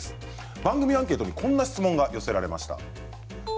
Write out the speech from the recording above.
番組アンケートに質問が寄せられました。